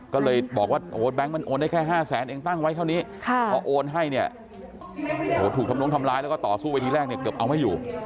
ก็เลยบอกว่าโอ้แบงค์มันโอนได้แค่๕แสนเองตั้งไว้เท่านี้พอโอนให้เนี่ยถูกทำนุ้งทำร้ายแล้วก็ต่อสู้ไปทีแรกเนี่ยเกือบเอาไม่อยู่